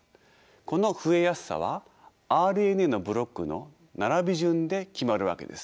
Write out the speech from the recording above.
この増えやすさはＲＮＡのブロックの並び順で決まるわけです。